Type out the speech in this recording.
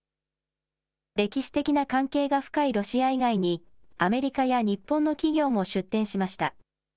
歴史的な関係が深いロシア以外に、アメリカや日本の企業も出展しました。